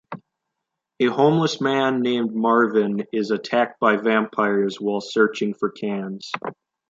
A homeless man named Marvin is attacked by vampires while searching for cans.